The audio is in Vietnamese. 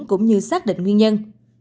cũng như xác định nguyên nhân